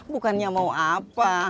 bukannya mau apa